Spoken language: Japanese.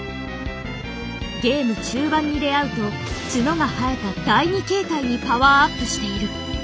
ゲーム中盤に出会うと角が生えた第２形態にパワーアップしている。